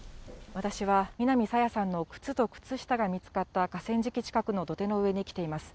私は南朝芽さんの靴と靴下が見つかった河川敷近くの土手の上に来ています。